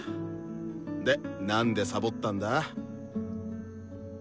でなんでサボったんだ？